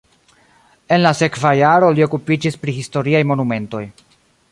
En la sekva jaro li okupiĝis pri historiaj monumentoj.